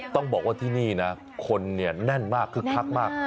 ต้องบอกว่าที่นี่นะคนเนี่ยแน่นมากคึกคักมาก